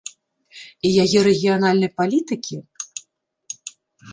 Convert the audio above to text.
І яе рэгіянальнай палітыкі?